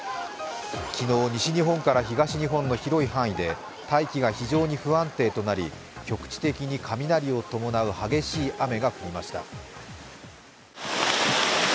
昨日、西日本から東日本の広い範囲で大気が非常に不安定となり、局地的に雷を伴う激しい雨が降りました。